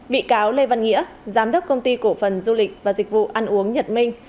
bị cáo lê văn nghĩa giám đốc công ty cổ phần du lịch và dịch vụ ăn uống nhật minh